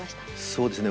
そうですね